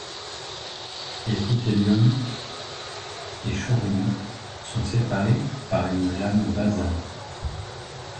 Épithélium et chorion sont séparés par une lame basale.